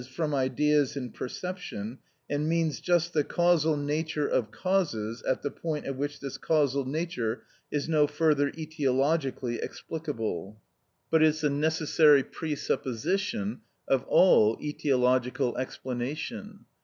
_, from ideas of perception, and means just the causal nature of causes at the point at which this causal nature is no further etiologically explicable, but is the necessary presupposition of all etiological explanation.